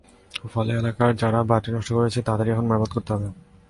ফলে এলাকার যারা বাঁধটি নষ্ট করেছে, তাদেরই এখন মেরামত করতে হবে।